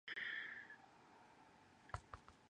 空気をお尻から吸ってみます。